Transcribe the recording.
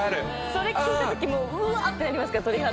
それ聴いたときもううわってなりますから鳥肌。